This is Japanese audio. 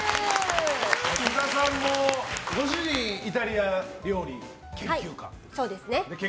保田さんご主人がイタリア料理研究家。